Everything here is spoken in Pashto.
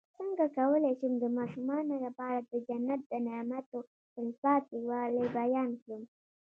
څنګه کولی شم د ماشومانو لپاره د جنت د نعمتو تلپاتې والی بیان کړم